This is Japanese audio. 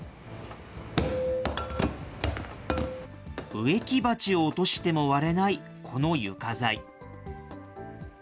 植木鉢を落としても割れないこの床材。